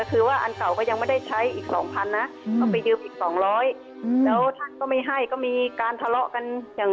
คือว่าอันเก่าก็ยังไม่ได้ใช้อีก๒๐๐๐นะก็ไปยืมอีก๒๐๐แล้วท่านก็ไม่ให้ก็มีการทะเลาะกัน